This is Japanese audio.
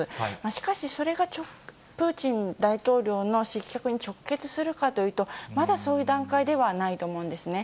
しかし、それがプーチン大統領の失脚に直結するかというと、まだそういう段階ではないと思うんですね。